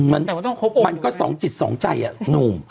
มันก็สองจิตสองใจอะหนูม